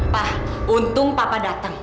pak untung papa datang